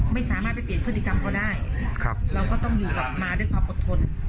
ไม่สามารถไปเปลี่ยนพฤติกรรมก็ได้เราก็ต้องอยู่กลับมาด้วยความอดทน